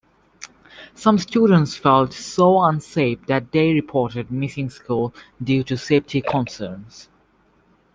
Some students felt so unsafe that they reported missing school due to safety concerns.